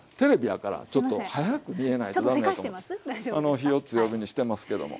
火を強火にしてますけども。